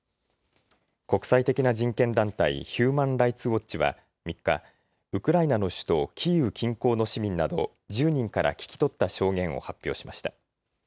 国際的な人権団体、ヒューマン・ライツ・ウォッチは３日、ウクライナの首都キーウ近郊の市民など１０人から聞き取った証言を発表しました。